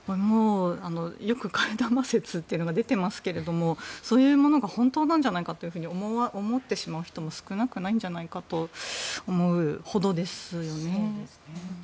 よく替え玉説というのが出てますがそういうものが本当なんじゃないかと思ってしまう人も少なくないんじゃないかと思うほどですよね。